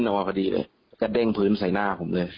จังหวะผมก็เดินเป็นพื้นใส่หน้าของตม